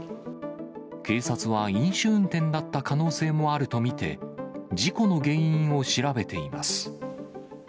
警察は飲酒運転だった可能性もあると見て、事故の原因を調べています。